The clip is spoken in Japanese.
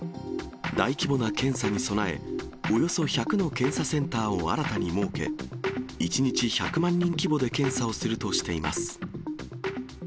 大規模な検査に備え、およそ１００の検査センターを新たに設け、１日１００万人規模で検査をするとしています。